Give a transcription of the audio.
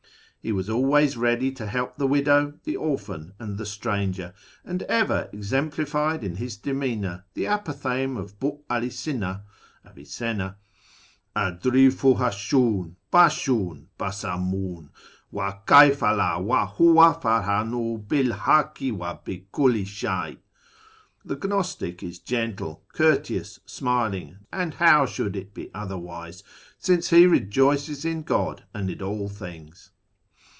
He was always ready to help the widow, the orphan, and the stranger, and ever exemplified in his demeanour the apophthegm of Bii 'Ali Sina (Avicenna) :" Al drifu hashsJi'"^, haslisli^'''^, hassdm^^''^ ; iva kcyfa Id, VM Jmiva farahdn'^"^ hi'l hakki wa bi kulli shey 1 "(" The gnostic is gentle, courteous, smiling ; and how should it be otherwise, since he rejoices in God and in all things